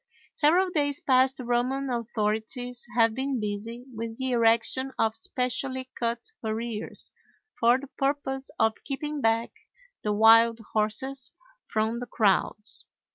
Several days past the Roman authorities have been busy with the erection of specially cut barriers for the purpose of keeping back the wild horses from the crowds.